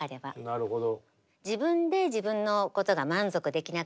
なるほど。